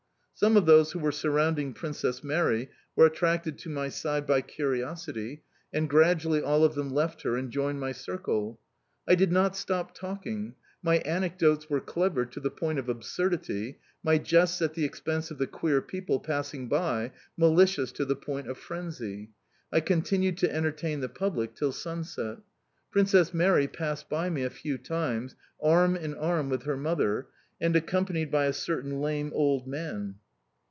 Some of those who were surrounding Princess Mary were attracted to my side by curiosity, and gradually all of them left her and joined my circle. I did not stop talking; my anecdotes were clever to the point of absurdity, my jests at the expense of the queer people passing by, malicious to the point of frenzy. I continued to entertain the public till sunset. Princess Mary passed by me a few times, arm in arm with her mother, and accompanied by a certain lame old man.